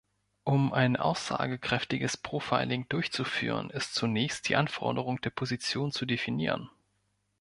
Um ein aussagekräftiges Profiling durchzuführen, ist zunächst die Anforderung der Position zu definieren.